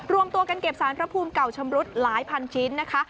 รวมตัวกันเก็บสารพระภูมิเก่าชำรุดหลายพันชิ้นนะคะ